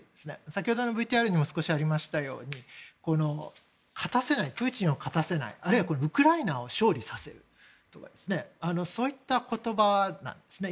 先ほどのＶＴＲにも少しありましたようにプーチンを勝たせないあるいは、ウクライナを勝利させるというそういった言葉なんですね。